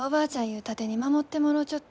盾に守ってもろうちょった。